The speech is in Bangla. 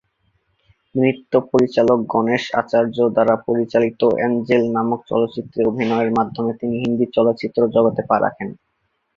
নৃত্য পরিচালক গণেশ আচার্য দ্বারা পরিচালিত "অ্যাঞ্জেল" নামক চলচ্চিত্রে অভিনয়ের মাধ্যমে তিনি হিন্দি চলচ্চিত্র জগতে পা রাখেন।